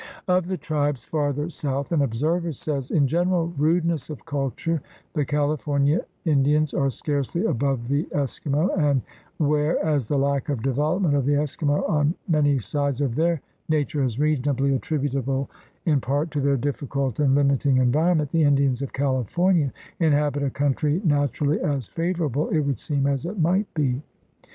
Of the tribes farther south an observer says: "In general rudeness of culture the California Indians are scarcely above the Eskimo, and where as the lack of development of the Eskimo on many THE RED MAN IN AMERICA 137 sides of their nature is reasonably attributable in part to their difficult and limiting environment, the Indians of California inhabit a country natur ally as favorable, it would seem, as it might be.